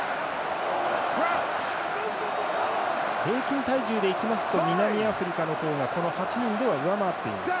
平均体重でいきますと南アフリカの方がこの８人では上回っています。